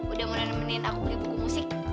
udah mau nemenin aku beli buku musik